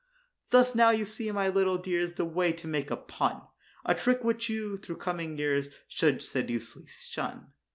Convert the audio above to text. Thus now you see, my little dears, the way to make a pun; A trick which you, through coming years, should sedulously shun.